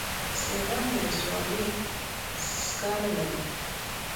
سیغان ولسوالۍ سکاره لري؟